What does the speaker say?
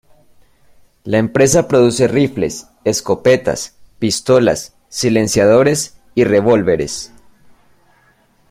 La empresa produce rifles, escopetas, pistolas, silenciadores y revólveres.